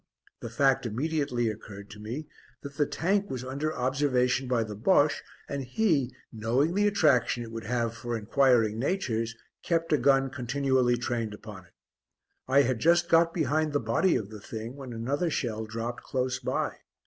The fact immediately occurred to me that the Tank was under observation by the Bosche and he, knowing the attraction it would have for enquiring natures, kept a gun continually trained upon it. I had just got behind the body of the thing when another shell dropped close by.